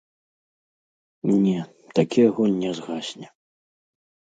Не, такі агонь не згасне.